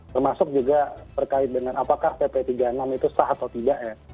termasuk juga terkait dengan apakah pp tiga puluh enam itu sah atau tidak ya